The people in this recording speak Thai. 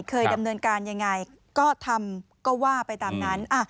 เคยดำเนินการยังไงก็ทำก็ว่าไปตามนั้น